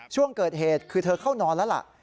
ช่วงเกิดเหตุคือเธอเข้านอนแล้วล่ะ